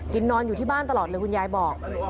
นอนอยู่ที่บ้านตลอดเลยคุณยายบอก